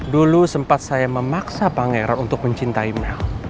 dulu sempat saya memaksa pangeran untuk mencintai mel